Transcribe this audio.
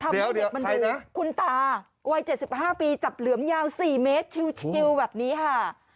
เด็กมันดูนะคุณตาวัย๗๕ปีจับเหลือมยาว๔เมตรชิวแบบนี้ค่ะ